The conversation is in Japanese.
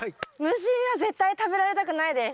虫には絶対食べられたくないです。